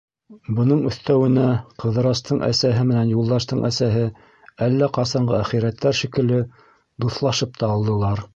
Бының өҫтәүенә, Ҡыҙырастың әсәһе менән Юлдаштың әсәһе әллә ҡасанғы әхирәттәр шикелле дуҫлашып та алдылар.